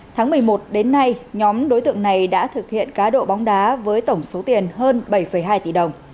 tháng một mươi một đến nay nhóm đối tượng này đã thực hiện cá độ bóng đá với tổng số tiền hơn bảy hai tỷ đồng